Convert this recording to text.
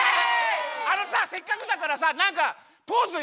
あのさせっかくだからさなんかポーズやってよ。